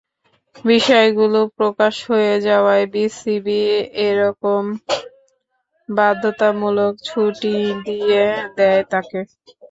বিষয়গুলো প্রকাশ হয়ে যাওয়ায় বিসিবি একরকম বাধ্যতামূলক ছুটিই দিয়ে দেয় তাঁকে।